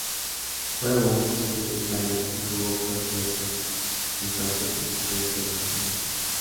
Fue un utility player y jugó fuerte defensa en cualquier posición que desempeñó.